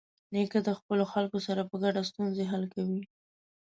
نیکه د خپلو خلکو سره په ګډه ستونزې حل کوي.